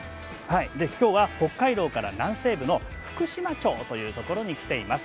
今日は北海道から南西部の福島町というところに来ています。